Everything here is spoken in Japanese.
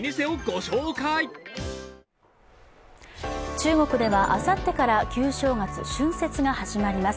中国ではあさってから旧正月・春節が始まります。